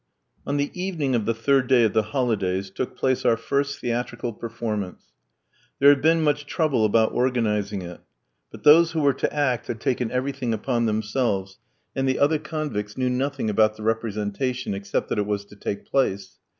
On the evening of the third day of the holidays took place our first theatrical performance. There had been much trouble about organising it. But those who were to act had taken everything upon themselves, and the other convicts knew nothing about the representation except that it was to take place.